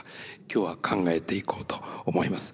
今日は考えていこうと思います。